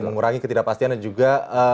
mengurangi ketidakpastian dan juga